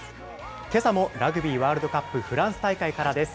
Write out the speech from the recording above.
けさもラグビーワールドカップフランス大会からです。